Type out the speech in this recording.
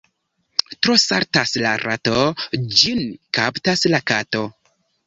Tro saltas la rato — ĝin kaptas la kato.